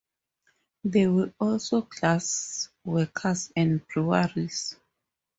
There were also glass-works and breweries.